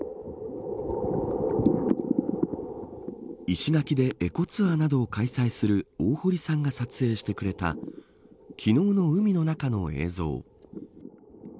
石垣でエコツアーなどを開催する大堀さんが撮影してくれた昨日の海の中の映像。